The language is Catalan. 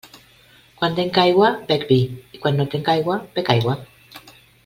Quan tenc aigua bec vi, i quan no tenc aigua bec aigua.